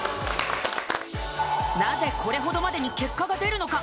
なぜこれほどまでに結果が出るのか？